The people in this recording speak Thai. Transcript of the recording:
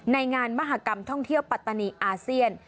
ในงานมหากรรมท่องเที่ยวปัตตานีอาเซียน